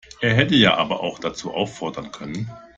Er hätte ja aber auch dazu auffordern können.